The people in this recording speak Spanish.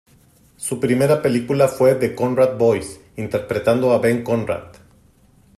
Su primera película fue "The Conrad Boys" interpretando a Ben Conrad.